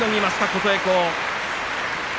琴恵光。